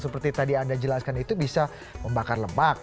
seperti tadi anda jelaskan itu bisa membakar lemak